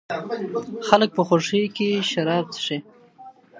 خلګ په خوښیو کي شراب څښي.